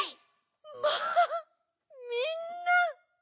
まあみんな！